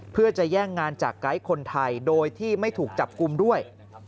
เพื่อจะแย่งงานจากไกด์คนไทยโดยที่ไม่ถูกจับกลุ่มด้วย